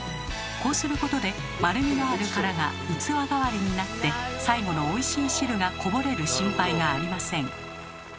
こうすることで丸みのある殻が器代わりになって最後のおいしい汁がこぼれる心配がありません。